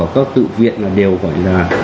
các tự viện đều gọi là